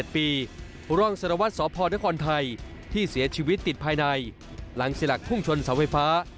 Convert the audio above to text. ผู้เสียชีวิตติดภายในหลังศิลักษณ์ภูมิชนสาวไฟฟ้า